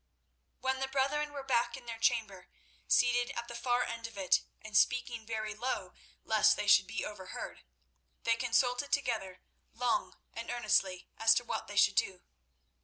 When the brethren were back in their chamber, seated at the far end of it, and speaking very low, lest they should be overheard, they consulted together long and earnestly as to what they should do.